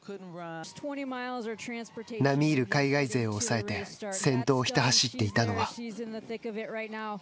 並みいる海外勢を抑えて先頭をひた走っていたのは。